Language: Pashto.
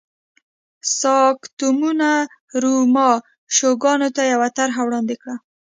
ساکاتومو ریوما شوګان ته یوه طرحه وړاندې کړه.